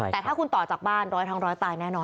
แต่ถ้าคุณต่อจากบ้านร้อยทั้งร้อยตายแน่นอน